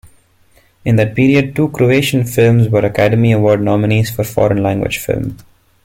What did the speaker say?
In that period, two Croatian films were Academy Award nominees for foreign language film.